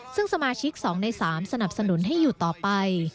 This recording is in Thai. ซึ่งสมาชิก๒ใน๓สนับสนุนให้อยู่ต่อไป